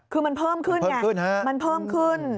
คือมันเพิ่มขึ้นไงมันเพิ่มขึ้น